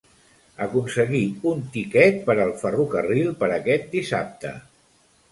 Aconseguir un tiquet per al ferrocarril per aquest dissabte.